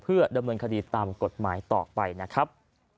เพื่อดำเนินคดีตามกฎหมายต่อไปนะครับ